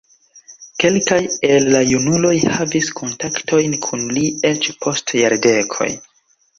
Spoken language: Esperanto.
Kelkaj el la junuloj havis kontaktojn kun li eĉ post jardekoj.